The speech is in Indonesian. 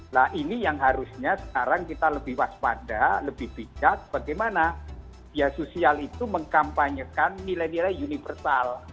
nah ini yang harusnya sekarang kita lebih waspada lebih bijak bagaimana biaya sosial itu mengkampanyekan nilai nilai universal